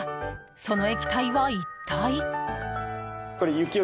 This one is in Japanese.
その液体は、一体？